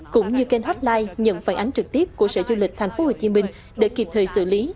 cũng như kênh hotline nhận phản ánh trực tiếp của sở du lịch tp hcm để kịp thời xử lý